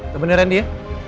teman rendi ya